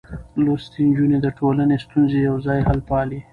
لوستې نجونې د ټولنې ستونزې يوځای حل پالي.